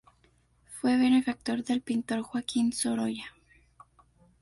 Fue benefactor del pintor Joaquín Sorolla.